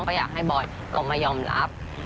ก็อยากให้บอยออกมายอมรับ